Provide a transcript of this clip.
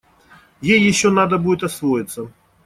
Ей еще надо будет освоиться.